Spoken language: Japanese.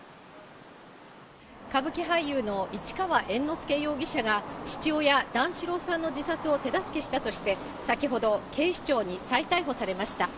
歌舞伎俳優の市川猿之助容疑者が父親、段四郎さんの自殺を手助けしたとして先ほど、警視庁に再逮捕されました。